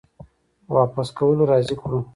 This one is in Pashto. په واپس کولو راضي کړو